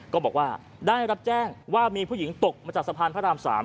ก็บอกว่าได้รับแจ้งว่ามีผู้หญิงตกมาจากสะพานพระราม๓